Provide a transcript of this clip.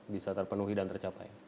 bisa terpenuhi dan tercapai